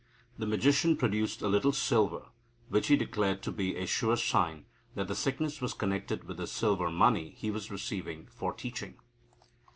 The magician produced a little silver, which he declared to be a sure sign that the sickness was connected with the silver money he was receiving for teaching.